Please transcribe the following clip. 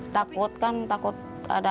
takut kan takut ada